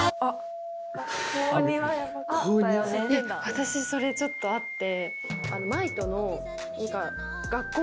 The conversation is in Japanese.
私それちょっとあって。